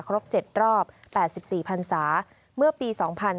ครบ๗รอบ๘๔พันศาเมื่อปี๒๕๕๙